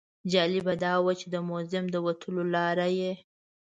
جالبه دا وه چې د موزیم د وتلو لاره یې.